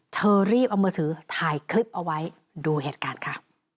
เธอรีบเอามือถือถ่ายคลิปเอาไว้ดูเหตุการณ์ค่ะ